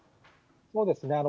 そうですね。